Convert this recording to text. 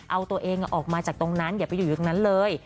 เอาตัวเองออกมาจากตรงนั้นอย่าไปอยู่ตรงนั้นเลย